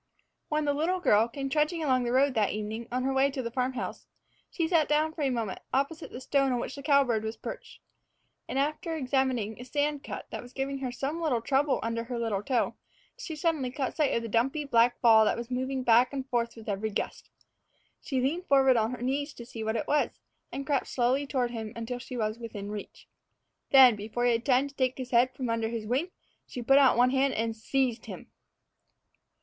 WHEN the little girl came trudging along the road that evening on her way to the farm house, she sat down for a moment opposite the stone on which the cowbird was perched. And after examining a sand cut that was giving her some trouble under her little toe, she suddenly caught sight of the dumpy black ball that was moving back and forth with every gust. She leaned forward on her knees to see what it was, and crept slowly toward him until she was within reach. Then, before he had time to take his head from under his wing, she put out one hand and seized him.